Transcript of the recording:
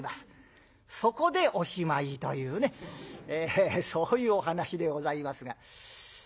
そこでおしまいというねそういうお噺でございますが。